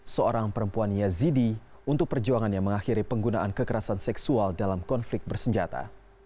seorang perempuan yazidi untuk perjuangannya mengakhiri penggunaan kekerasan seksual dalam konflik bersenjata